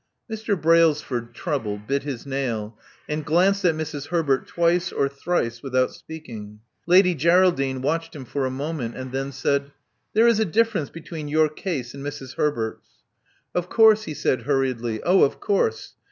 Mr. Brailsford, troubled, bit his nail, and glanced at Mrs. Herbert twice or thrice, without speaking. Lady Geraldine watched him for a moment, and then said: "There is a difference between your case and Mrs. Herbert's." Of course," he said, hurriedly. Oh, of course.